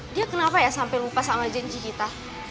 dia kenapa ya sampai lupa sama janji kita